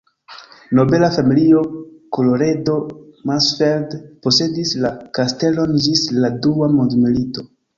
Nobela familio Colloredo-Mansfeld posedis la kastelon ĝis la dua mondmilito.